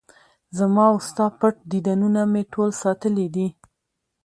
زما وستا پټ دیدنونه مې ټول ساتلي دي